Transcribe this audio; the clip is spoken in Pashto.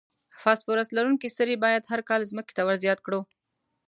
فاسفورس لرونکي سرې باید هر کال ځمکې ته ور زیات کړو.